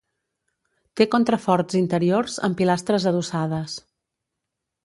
Té contraforts interiors amb pilastres adossades.